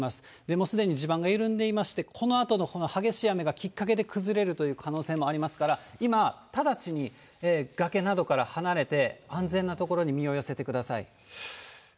もうすでに地盤が緩んでいまして、このあとのこの激しい雨がきっかけで崩れるという可能性もありますから、今、直ちに崖などから離れて、安全な所に身を寄せてください。